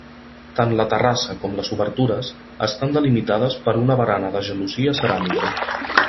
Tant la terrassa com les obertures estan delimitades per una barana de gelosia ceràmica.